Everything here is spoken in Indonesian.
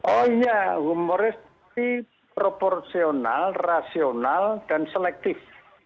oh iya humoris tapi proporsional rasional dan selektif